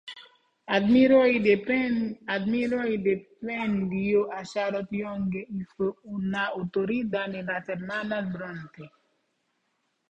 Admiró y defendió a Charlotte Yonge y fue una autoridad en las hermanas Brontë.